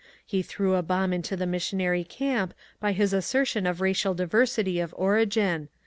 He threw a bomb into the missionary camp by his assertion of racial diversity of origin.